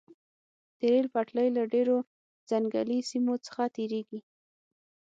د ریل پټلۍ له ډیرو ځنګلي سیمو څخه تیریږي